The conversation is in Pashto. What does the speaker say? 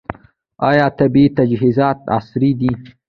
آیا طبي تجهیزات عصري دي؟